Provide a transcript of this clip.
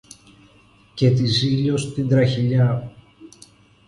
και της Ζήλιως την τραχηλιά